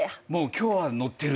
今日はのってる。